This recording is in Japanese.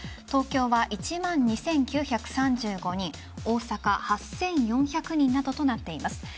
東京は１万２９３５人大阪、８４００人などとなっています。